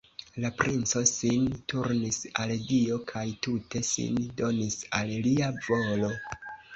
La princo sin turnis al Dio kaj tute sin donis al Lia volo.